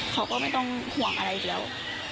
เขาก็ไม่ต้องห่วงอะไรอีกแล้ว